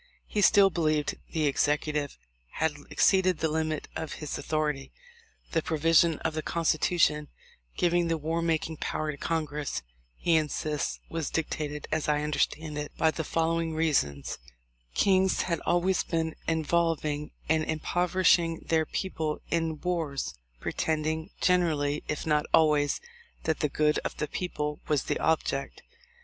He still be lieved the Executive had exceeded the limit of his authority. "The provision of the Constitution giving the war making power to Congress," he insists, "was dictated, as I understand it, by the following reasons: kings had always been involving and impoverishing their people in wars, pretending generally, if not always, that the good of the peo ple was the object.